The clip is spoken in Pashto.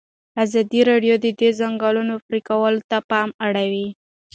ازادي راډیو د د ځنګلونو پرېکول ته پام اړولی.